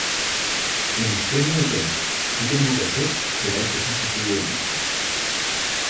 En estreno de tema "Que tengo que hacer" será el tercer sencillo del disco.